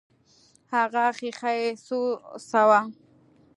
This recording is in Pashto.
هغه ښيښه يې څه سوه.